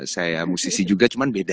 saya musisi juga cuma beda